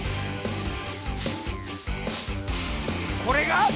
これが！